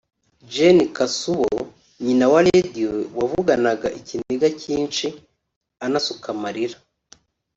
Jane Kasubo nyina wa Radio wavuganaga ikiniga cyinshi anasuka amarira